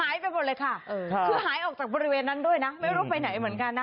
หายไปหมดเลยค่ะคือหายออกจากบริเวณนั้นด้วยนะไม่รู้ไปไหนเหมือนกันนะ